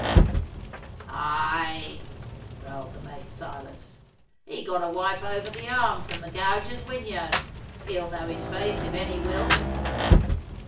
'Aye,' growled the mate Silas. 'He got a wipe over the arm from the gauger's whinyard. He'll know his face, if any will.